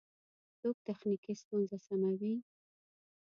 څوک تخنیکی ستونزی سموي؟